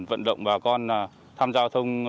vận động bà con tham gia thông